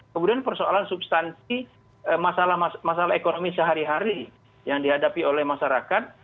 kemudian persoalan substansi masalah ekonomi sehari hari yang dihadapi oleh masyarakat